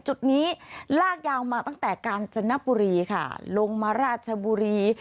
จุดนี้ลากยาวมาตั้งแต่กาญจนบุรีค่ะลงมาราชบุรี